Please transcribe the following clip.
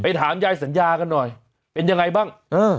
ถามยายสัญญากันหน่อยเป็นยังไงบ้าง